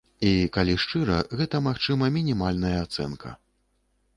І, калі шчыра, гэта, магчыма, мінімальная ацэнка.